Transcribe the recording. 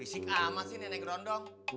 fisik amat sih nenek rondong